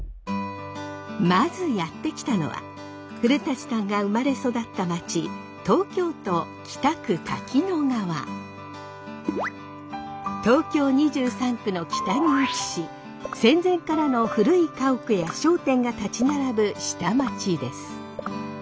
まずやって来たのは古さんが生まれ育った町東京２３区の北に位置し戦前からの古い家屋や商店が立ち並ぶ下町です。